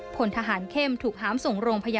พลทหารเข้มถูกหามส่งโรงพยาบาล